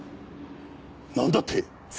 なんだって！？